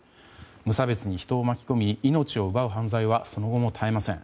無差別に人を巻き込み命を奪う犯罪はその後も絶えません。